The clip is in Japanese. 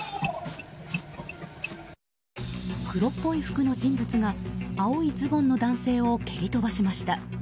黒っぽい服の人物が青いズボンの男性を蹴り飛ばしました。